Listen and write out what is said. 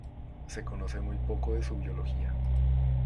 Se conoce muy poco de su biología.